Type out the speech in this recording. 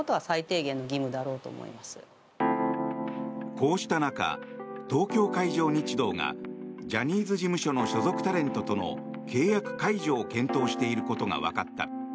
こうした中、東京海上日動がジャニーズ事務所の所属タレントとの契約解除を検討していることがわかった。